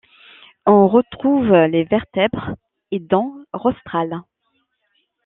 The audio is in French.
On retrouve les vertèbres et dents rostrales.